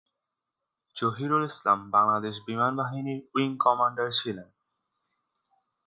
জহিরুল ইসলাম বাংলাদেশ বিমান বাহিনীর wing commander ছিলেন।